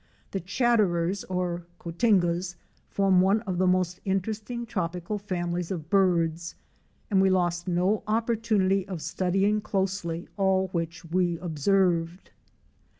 The Chat terers or Cotingas form one of the most interesting tropical families of birds, and we lost no opportunity of studying closely all which we observed.